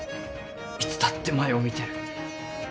いつだって前を見てる。